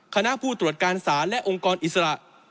คณะผู้ตรวจการศาลและองค์กรอิสระ